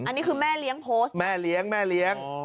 อันนี้คือแม่เลี้ยงโพสต์แม่เลี้ยง